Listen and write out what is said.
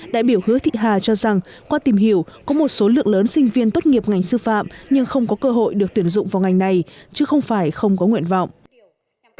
đại biểu hứa thị hà cho rằng qua tìm hiểu có một số lượng lớn sinh viên tốt nghiệp ngành sư phạm nhưng không có cơ hội được tuyển dụng vào ngành này chứ không phải không có nguyện vọng